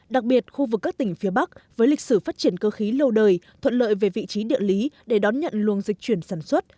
đặc biệt khu vực các tỉnh phía bắc với lịch sử phát triển cơ khí lâu đời thuận lợi về vị trí địa lý để đón nhận luồng dịch chuyển sản xuất